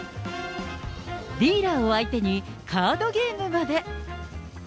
ディーラーを相手に、カードゲームまで。